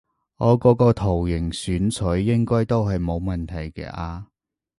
我嗰個圓形選取應該都係冇問題嘅啊